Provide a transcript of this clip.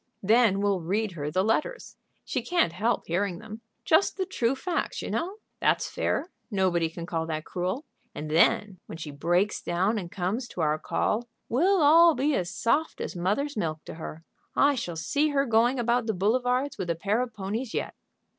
"Then we'll read her the letters. She can't help hearing them. Just the true facts, you know. That's fair; nobody can call that cruel. And then, when she breaks down and comes to our call, we'll all be as soft as mother's milk to her. I shall see her going about the boulevards with a pair of ponies yet."